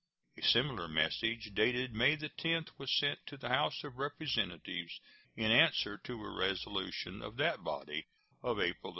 [A similar message, dated May 10, was sent to the House of Representatives, in answer to a resolution of that body of April 29.